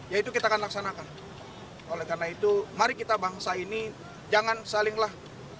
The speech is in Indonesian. yaitu kita akan laksanakan oleh karena itu mari kita bangsa ini jangan salinglah